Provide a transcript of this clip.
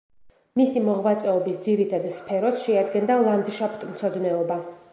მისი მოღვაწეობის ძირითად სფეროს შეადგენდა ლანდშაფტმცოდნეობა.